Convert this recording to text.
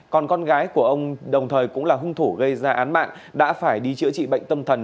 còn con gái của ông đồng thời cũng là hung thủ gây ra án mạng đã phải đi chữa trị bệnh tâm thần